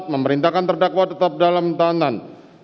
memerintahkan terdakwa tetap dalam tahanan